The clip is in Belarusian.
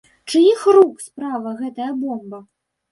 Чыіх рук справа гэтая бомба?